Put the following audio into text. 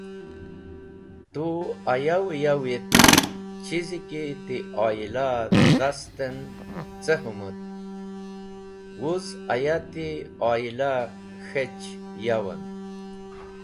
Tu ayavi yawi et chizi ki ti owila [oyla]-e dhast en ce hũmũd, wuz aya ti owila-e k̃hech yawem.